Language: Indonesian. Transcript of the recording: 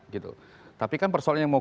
gitu tapi kan persoalan yang mau